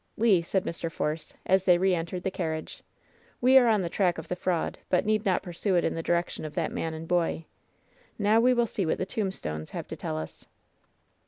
'' "Le," said Mr. Force, as they re entered the carriage, "we are on the track of the fraud, but need not pursue it in the direction of that man and boy. Now we will see what the tombstones have to tell us."